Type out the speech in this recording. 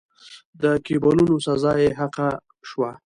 د کېبولونو سزا یې حق شوه.